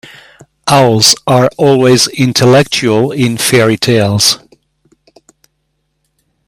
Owls are always intellectual in fairy-tales.